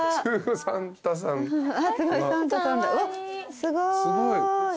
すごい。